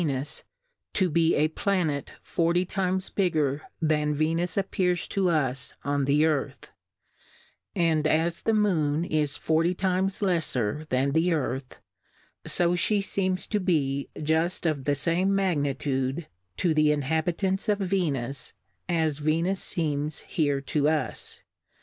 ms) to be a Pla net forty times bigger than Ve/ius ap pears ^0 us Oil the Earth, and as the Moon is forty times lefTcr than the Earth, fo flie feems to be juft of the lame Magnitude, to the Inhabitants of Viuus^ as Venus feems here to us.